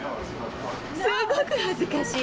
すごく恥ずかしい。